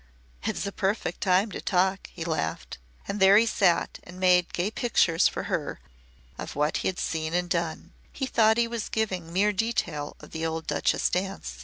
"It's a perfect time to talk," he laughed. And there he sat and made gay pictures for her of what he had seen and done. He thought he was giving her mere detail of the old Duchess' dance.